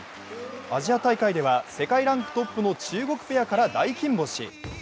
アジア大会では世界ランクトップの中国ペアから大金星。